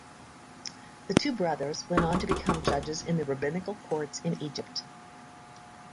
The two brothers went on to become judges in the rabbinical courts in Egypt.